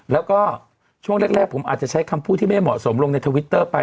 แล้วก็ช่วงแรกผมอาจจะใช้คำพูดที่ไม่เหมาะสมลงในทวิตเตอร์ไป